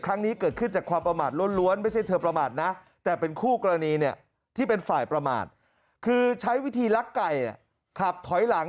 กรณีเนี่ยที่เป็นฝ่ายประมาทคือใช้วิธีลักไก่อะขับถอยหลัง